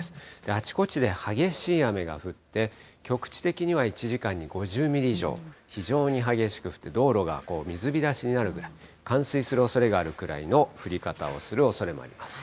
あちこちで激しい雨が降って、局地的には１時間に５０ミリ以上、非常に激しく降って、道路がこう、水浸しになるぐらい、冠水するおそれがあるくらいの降り方をするおそれもあります。